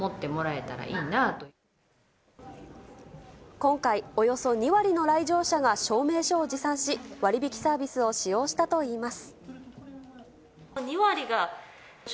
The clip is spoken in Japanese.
今回、およそ２割の来場者が証明書を持参し割引サービスを使用したといいます。